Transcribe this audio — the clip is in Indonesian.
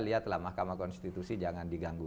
lihat lah mahkamah konstitusi jangan diganggu